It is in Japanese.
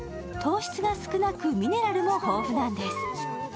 糖質が少なくミネラルも豊富なんです。